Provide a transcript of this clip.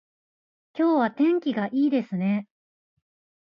今日は天気がいいですね